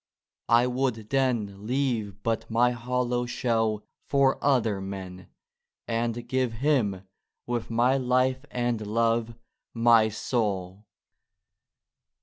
I would then Leave but my hollow shell for other men, And give Him, with my Life and Love, — my Soul!